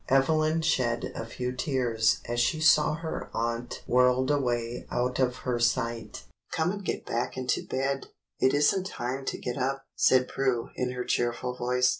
Evelyn shed a few tears as she saw her aunt whirled away out of her sight. "Come and get back into bed again; it is n't time to get up," said Prue, in her cheerful voice.